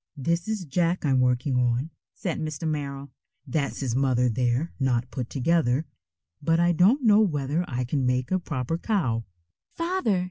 "This is Jack I'm working on," said Mr. Merrill. "That's his mother there, not put together, but I don't know whether I can make a proper cow." "Father!"